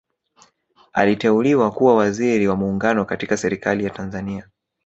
aliteuliwa kuwa waziri wa muungano katika serikali ya tanzania